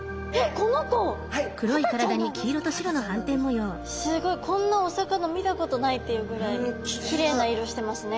こんなお魚見たことないっていうぐらいきれいな色してますね。